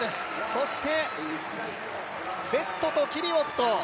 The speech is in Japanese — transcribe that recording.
そしてベットとキビウォット